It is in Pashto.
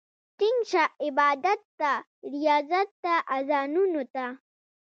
ټينګ شه عبادت ته، رياضت ته، اذانونو ته